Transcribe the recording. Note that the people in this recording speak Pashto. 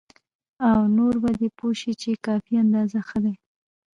او نور په دې پوه شي چې کافي اندازه ښه دي.